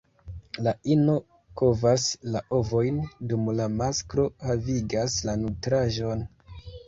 La ino kovas la ovojn, dum la masklo havigas la nutraĵon.